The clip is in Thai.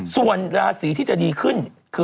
ส่วนราศีที่จะดีขึ้นคือ